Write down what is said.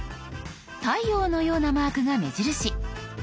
太陽のようなマークが目印。